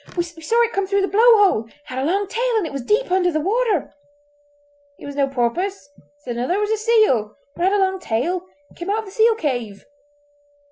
We saw it come through the blow hole! It had a long tail, and was deep under the water!" "It was no porpoise," said another; "it was a seal; but it had a long tail! It came out of the seal cave!"